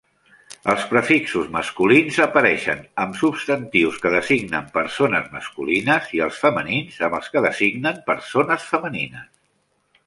Els prefixos masculins apareixen amb substantius que designen persones masculines, i els femenins amb els que designen persones femenines.